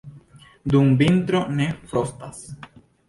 Dum vintro ne frostas.